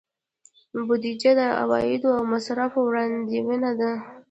بودیجه د عوایدو او مصارفو وړاندوینه ده.